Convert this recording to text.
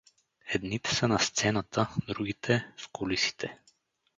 Едните са на сцената, другите — в кулисите.